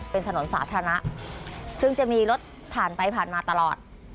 เป็นถนนสาธารณะซึ่งจะมีรถผ่านไปผ่านมาตลอด